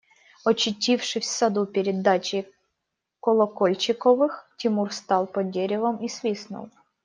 Очутившись в саду перед дачей Колокольчиковых, Тимур стал под деревом и свистнул.